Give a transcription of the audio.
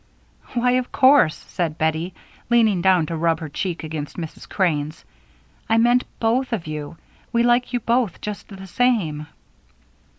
"Why, of course," said Bettie, leaning down to rub her cheek against Mrs. Crane's. "I meant both of you. We like you both just the same."